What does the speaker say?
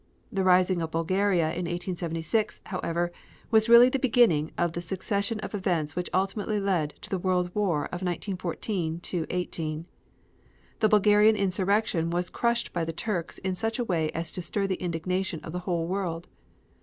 The rising of Bulgaria in 1876, however, was really the beginning of the succession of events which ultimately led to the World War of 1914 18. The Bulgarian insurrection was crushed by the Turks in such a way as to stir the indignation of the whole world.